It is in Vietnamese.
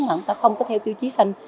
mà người ta không có theo tiêu chí xanh